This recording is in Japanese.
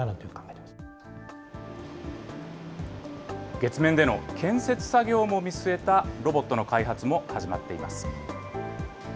月面での建設作業も見据えたロボットの開発も始まっています。